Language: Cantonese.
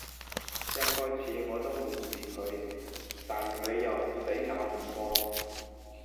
一開始，我都無視佢，但佢又死咬唔放